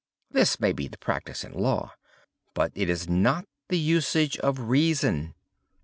This may be the practice in law, but it is not the usage of reason.